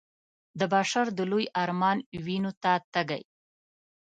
د بشر د لوی ارمان وينو ته تږی